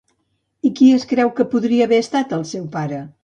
I qui es creu que podria haver estat el seu pare?